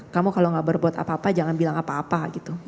kamu kalau gak berbuat apa apa jangan bilang apa apa gitu